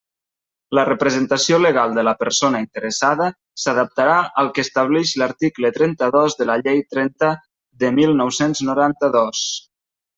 La representació legal de la persona interessada s'adaptarà al que establix l'article trenta-dos de la Llei trenta de mil nou-cents noranta-dos.